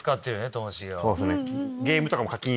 ともしげは。